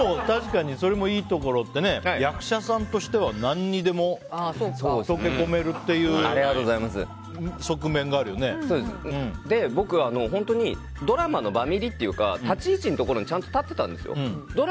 それもいいところってね役者さんとしては何にでも溶け込めるという僕、ドラマのバミリというか立ち位置のところにちゃんと立っていたんですよ。